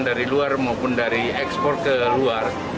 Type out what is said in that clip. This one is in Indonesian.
dari luar maupun dari ekspor ke luar